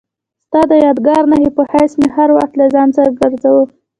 ستا د یادګار نښې په حیث مې هر وخت له ځان سره ګرځاوه.